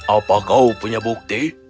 apa kau punya bukti